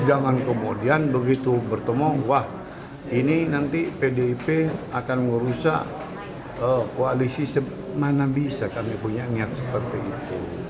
jangan kemudian begitu bertemu wah ini nanti pdip akan merusak koalisi mana bisa kami punya niat seperti itu